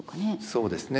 そうですね。